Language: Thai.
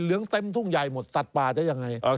เต็มทุ่งใหญ่หมดสัตว์ป่าจะยังไง